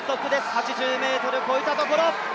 ８０ｍを越えたところ。